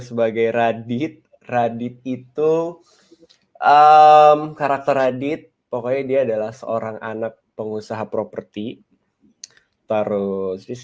sebagai radit radit itu karakter radit pokoknya dia adalah seorang anak pengusaha properti terus